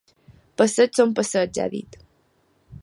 Passeigs són passeigs, ha dit.